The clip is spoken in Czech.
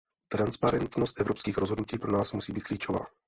Transparentnost evropských rozhodnutí pro nás musí být klíčová.